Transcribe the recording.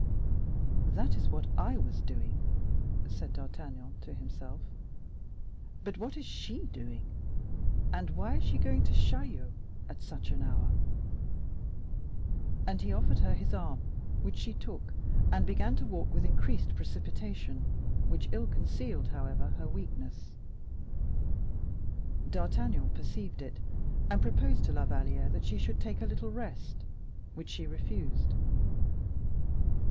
"That is what I was doing," said D'Artagnan to himself; "but what is she doing, and why is she going to Chaillot at such an hour?" And he offered her his arm, which she took, and began to walk with increased precipitation, which ill concealed, however, her weakness. D'Artagnan perceived it, and proposed to La Valliere that she should take a little rest, which she refused.